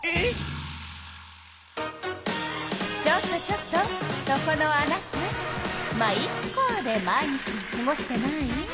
ちょっとちょっとそこのあなた「ま、イッカ」で毎日をすごしてない？